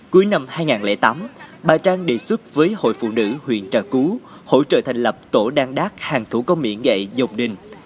cuối năm hai nghìn tám bà trang đề xuất với hội phụ nữ huyện trà cú hỗ trợ thành lập tổ đan đác hàng thủ công mỹ nghệ dộc đình